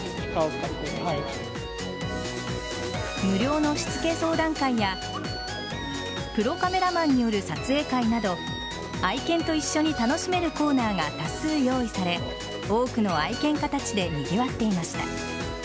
無料のしつけ相談会やプロカメラマンによる撮影会など愛犬と一緒に楽しめるコーナーが多数用意され多くの愛犬家たちでにぎわっていました。